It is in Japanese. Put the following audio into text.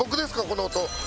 この音。